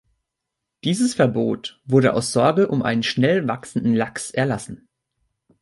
Dieses Verbot wurde aus Sorge um einen schnell wachsenden Lachs erlassen.